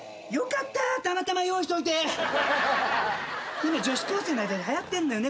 今女子高生の間ではやってんのよね